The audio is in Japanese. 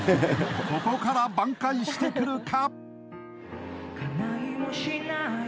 ここから挽回してくるか？